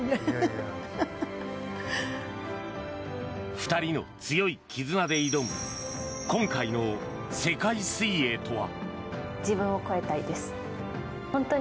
２人の強い絆で挑む今回の世界水泳とは。